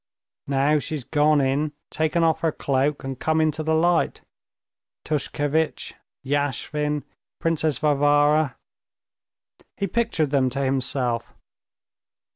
Now she's gone in, taken off her cloak and come into the light. Tushkevitch, Yashvin, Princess Varvara," he pictured them to himself....